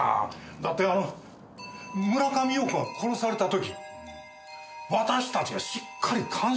だって村上陽子が殺された時私たちがしっかり監視してたんですよ。